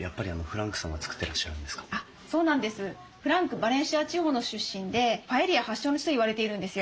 フランクバレンシア地方の出身でパエリア発祥の地といわれているんですよ。